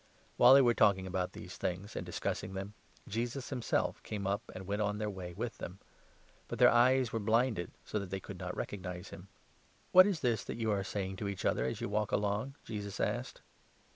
While they were talking about these things and 15 discussing them, Jesus himself came up and went on their way with them ; but their eyes were blinded so that they 16 could not recognize him. " What is this that you are saying to each other as you walk 17 along ?" Jesus asked.